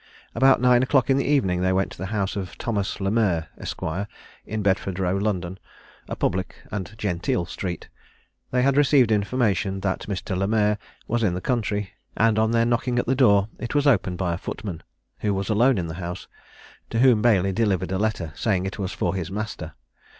About nine o'clock in the evening they went to the house of Thomas Le Merr, Esq. in Bedford row, London, a public and genteel street. They had received information that Mr. Le Merr was in the country, and on their knocking at the door, it was opened by a footman, who was alone in the house, to whom Bailey delivered a letter, saying it was for his master.